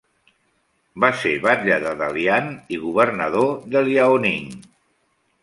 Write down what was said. Va ser batlle de Dalian i governador de Liaoning.